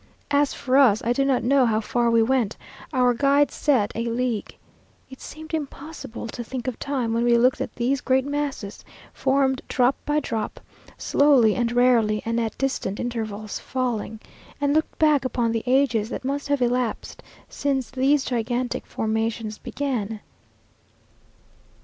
As for us, I do not know how far we went: our guides said a league. It seemed impossible to think of time when we looked at these great masses, formed drop by drop, slowly and rarely and at distant intervals falling, and looked back upon the ages that must have elapsed since these gigantic formations began.